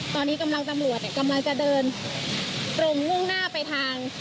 ตอนนี้กำลังตำรวจกำลังจะเดินตรงมุ่งหน้าไปทาง